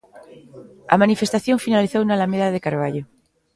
A manifestación finalizou na alameda de Carballo.